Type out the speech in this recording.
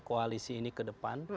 koalisi ini ke depan